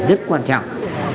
rất quan trọng